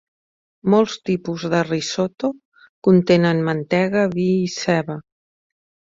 Molts tipus de risotto contenen mantega, vi i ceba.